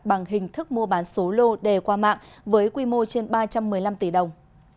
bằng hình thức mua bán số lô đề qua mạng với quy mô trên ba trăm một mươi năm tỷ đồng